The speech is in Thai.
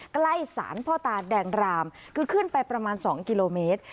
ใกล้สารพ่อตาแดงรามคือขึ้นไปประมาณ๒กิโลเมตร